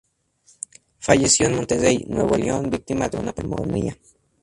Falleció en Monterrey, Nuevo León víctima de una pulmonía.